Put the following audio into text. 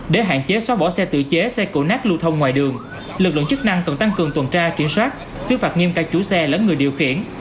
để hạn chế xóa bỏ xe tự chế xe cổ nát lưu thông ngoài đường lực lượng chức năng cần tăng cường tuần tra kiểm soát xứ phạt nghiêm cặt chủ xe lẫn người điều khiển